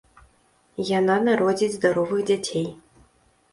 Яна народзіць здаровых дзяцей.